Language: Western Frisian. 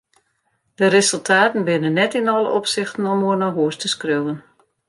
De resultaten binne net yn alle opsichten om oer nei hús te skriuwen.